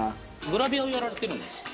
グラビアをやられてるんですか？